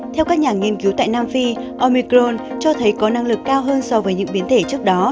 theo các nhà nghiên cứu tại nam phi omicron cho thấy có năng lực cao hơn so với những biến thể trước đó